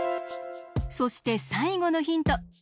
そしてさいごのヒント